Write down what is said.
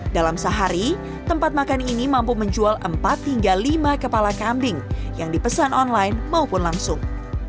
dalam sehari tempat makan ini mampu menjual empat hingga lima kepala kambing yang dipesan online maupun langsung